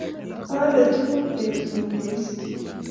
Aoole tuguk betunyi negisiche